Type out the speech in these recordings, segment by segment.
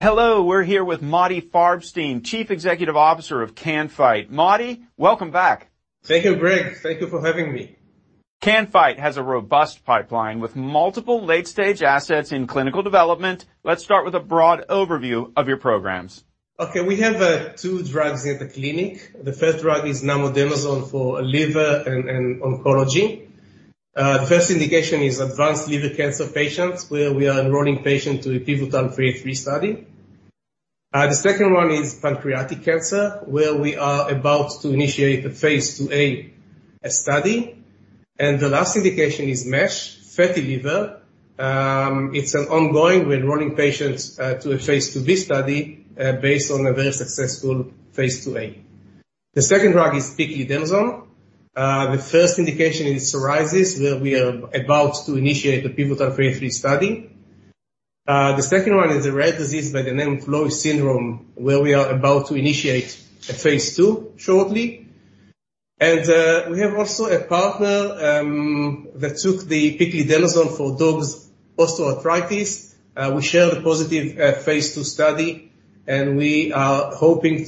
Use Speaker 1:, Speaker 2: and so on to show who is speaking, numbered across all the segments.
Speaker 1: Hello, we're here with Motti Farbstein, Chief Executive Officer of Can-Fite. Motti, welcome back!
Speaker 2: Thank you, Greg. Thank you for having me.
Speaker 1: Can-Fite has a robust pipeline with multiple late-stage assets in clinical development. Let's start with a broad overview of your programs.
Speaker 2: Okay, we have two drugs in the clinic. The first drug is Namodenoson for liver and oncology. The first indication is advanced liver cancer patients, where we are enrolling patients to a pivotal phase III study. The second one is pancreatic cancer, where we are about to initiate a phase IIa study. And the last indication is MASH, fatty liver. It's an ongoing. We're enrolling patients to a phase IIb study based on a very successful phase IIa. The second drug is Piclidenoson. The first indication is psoriasis, where we are about to initiate the pivotal phase III study. The second one is a rare disease by the name of Lowe syndrome, where we are about to initiate a phase II shortly. And we have also a partner that took the Piclidenoson for dogs' osteoarthritis. We share the positive Phase II study, and we are hoping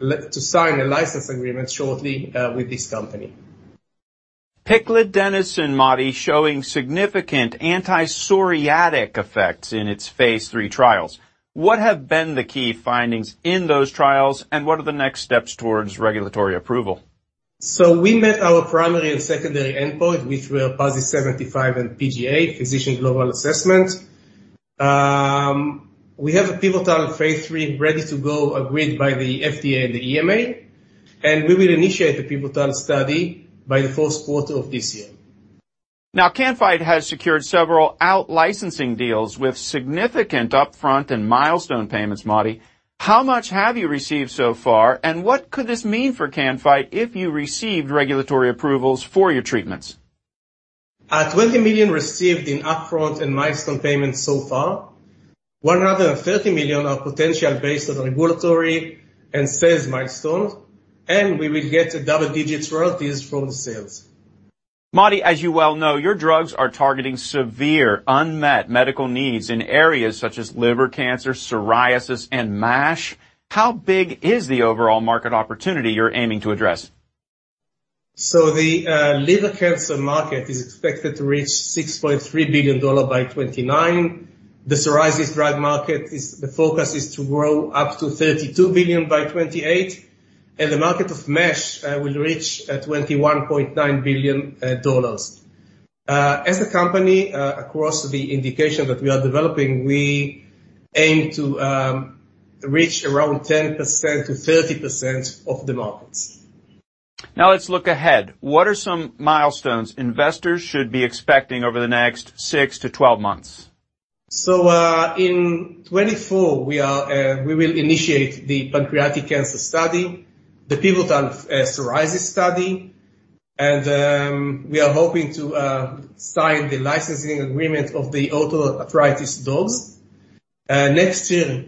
Speaker 2: to sign a license agreement shortly with this company.
Speaker 1: Piclidenoson, Motti, showing significant anti-psoriatic effects in its phase III trials. What have been the key findings in those trials, and what are the next steps towards regulatory approval?
Speaker 2: We met our primary and secondary endpoint, which were PASI 75 and PGA, Physician Global Assessment. We have a pivotal phase III ready to go, agreed by the FDA and the EMA, and we will initiate the pivotal study by the fourth quarter of this year.
Speaker 1: Now, Can-Fite has secured several out licensing deals with significant upfront and milestone payments, Motti. How much have you received so far, and what could this mean for Can-Fite if you received regulatory approvals for your treatments?
Speaker 2: $20 million received in upfront and milestone payments so far. $130 million are potential based on regulatory and sales milestones, and we will get double-digit royalties from the sales.
Speaker 1: Motti, as you well know, your drugs are targeting severe unmet medical needs in areas such as liver cancer, psoriasis, and MASH. How big is the overall market opportunity you're aiming to address?
Speaker 2: So the liver cancer market is expected to reach $6.3 billion by 2029. The psoriasis drug market is. The focus is to grow up to $32 billion by 2028, and the market of MASH will reach $21.9 billion dollars. As a company, across the indication that we are developing, we aim to reach around 10%-30% of the markets.
Speaker 1: Now, let's look ahead. What are some milestones investors should be expecting over the next six to 12 months?
Speaker 2: So, in 2024, we will initiate the pancreatic cancer study, the pivotal psoriasis study, and we are hoping to sign the licensing agreement of the osteoarthritis dogs. Next year,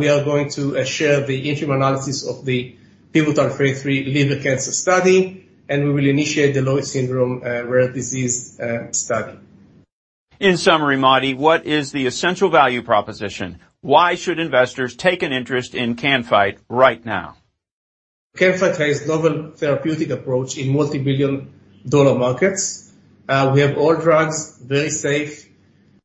Speaker 2: we are going to share the interim analysis of the pivotal phase III liver cancer study, and we will initiate the Lowe syndrome rare disease study.
Speaker 1: In summary, Motti, what is the essential value proposition? Why should investors take an interest in Can-Fite right now?
Speaker 2: Can-Fite has novel therapeutic approach in multi-billion-dollar markets. We have all drugs, very safe.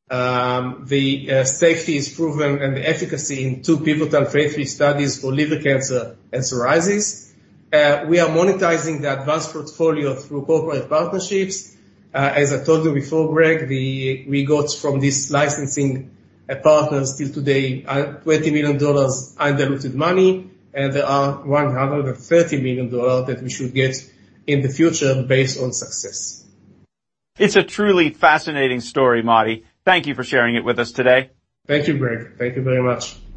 Speaker 2: The safety is proven, and the efficacy in two pivotal Phase III studies for liver cancer and psoriasis. We are monetizing the advanced portfolio through corporate partnerships. As I told you before, Greg, we got from this licensing partners till today $20 million undiluted money, and there are $130 million that we should get in the future based on success.
Speaker 1: It's a truly fascinating story, Motti. Thank you for sharing it with us today.
Speaker 2: Thank you, Greg. Thank you very much.